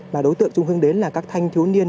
và đối tượng trung hương đến là các thanh thiếu niên